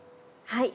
はい。